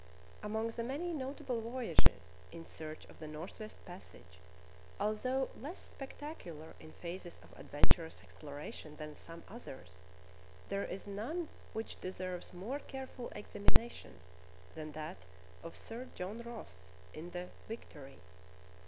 J^MONG the many notable voyages in search of /"^^ the northwest passage, although less spectac ular in phases of adventurous exploration than some others, there is none which deserves more care ful examination than that of Sir John Ross in the Vic tory.